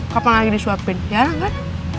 kapan lagi disuapin jarang kan